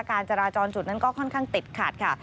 การจราจรจุดนั้นก็ค่อนข้างติดขัดค่ะ